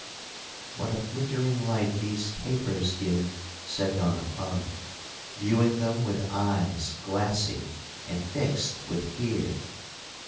'—'What a flickering light these tapers give!' said Donna Clara, viewing them with eyes glassy and fixed with fear.